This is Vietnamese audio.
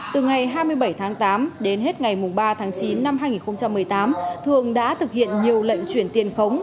từ ngày hai mươi bảy tháng tám đến hết ngày ba tháng chín năm hai nghìn một mươi tám thường đã thực hiện nhiều lệnh chuyển tiền khống